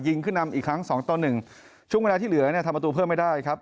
ยิงขึ้นนำอีกครั้งสองต่อหนึ่งช่วงเวลาที่เหลือเนี่ยทำประตูเพิ่มไม่ได้ครับ